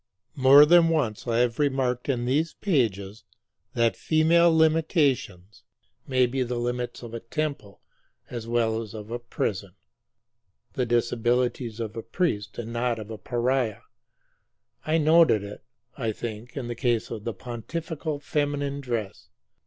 More than once I have remarked in these pages that female limitations may be the limits of a temple as well as of a prison, the disabilities of a priest and not of a pariah. I noted it, I think, in the case of the pontifical feminine dress.